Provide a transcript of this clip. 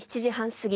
過ぎ